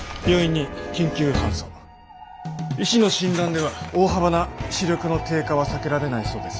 医師の診断では大幅な視力の低下は避けられないそうです。